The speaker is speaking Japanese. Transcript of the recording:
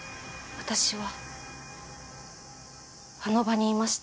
私はあの場にいました。